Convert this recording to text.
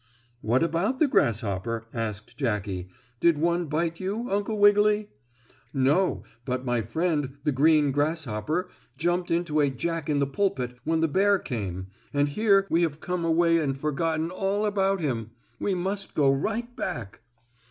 "What about the grasshopper?" asked Jackie. "Did one bite you, Uncle Wiggily?" "No, but my friend, the green grasshopper, jumped into a Jack in the Pulpit when the bear came, and here we have come away and forgotten all about him. We must go right back."